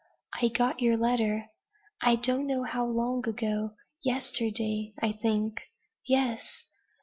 I got your letter I don't know how long ago yesterday, I think. Yes!